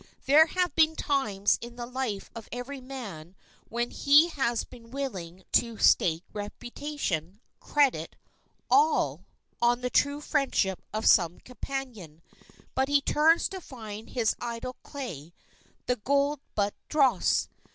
There have been times in the life of every man when he has been willing to stake reputation, credit, all, on the true friendship of some companion; but he turns to find his idol clay, the gold but dross.